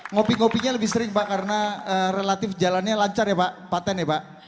ngopi ngopinya lebih sering pak karena relatif jalannya lancar ya pak patent ya pak